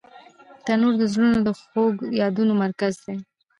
تنور د زړونو د خوږو یادونو مرکز دی